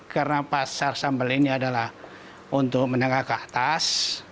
karena pasar sambal ini adalah untuk menengah ke atas